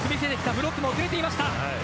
ブロックも遅れてきました。